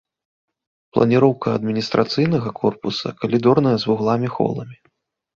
Планіроўка адміністрацыйнага корпуса калідорная з вуглавымі холамі.